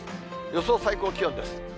予想最高気温です。